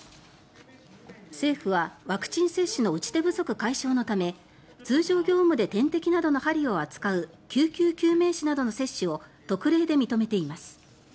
政府はワクチン接種の打ち手不足解消のため通常業務で点滴などの針を扱う救急救命士などの接種を特例で認めています。